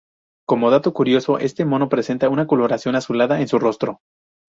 Como dato curioso, este mono presenta una coloración azulada en su rostro.